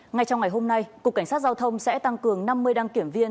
ngay trong ngày hôm nay cục cảnh sát giao thông sẽ tăng cường năm mươi đăng kiểm viên